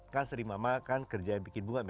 kan sering mama kan kerja yang bikin bunga